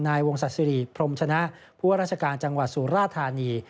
นายวงศาสิริพรมชนะผู้ว่าราชการจังหวัดสุราธานี